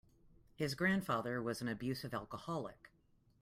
His grandfather was an abusive alcoholic.